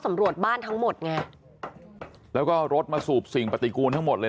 ตำรวจบ้านทั้งหมดไงแล้วก็รถมาสูบสิ่งปฏิกูลทั้งหมดเลย